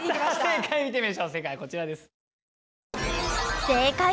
正解見てみましょう正解はこちらです。